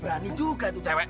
berani juga tuh cewek